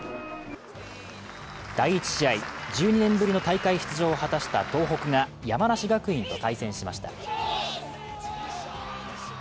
第１試合、１２年ぶりの大会出場を果たした東北が山梨学院と対戦しました。